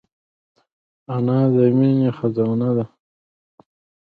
انا د مینې خزانه ده